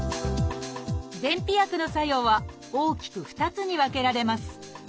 便秘薬の作用は大きく２つに分けられます。